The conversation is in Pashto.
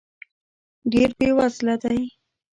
ډېر بې وزله دی .